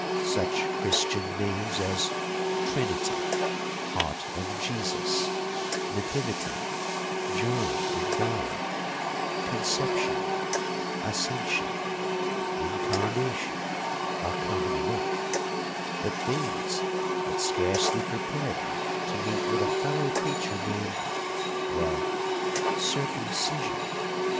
Such Christian names as Trinity, Heart of Jesus, Nativity, John of God, Conception, Ascension, Incarnation, are common enough, but these had scarcely prepared me to meet with a fellow creature named well, Circumcision!